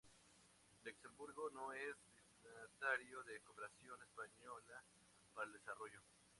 Luxemburgo no es destinatario de cooperación española para el desarrollo.